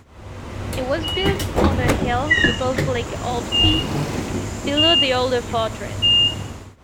It was built on a hill above lake Alpsee, below the older fortress.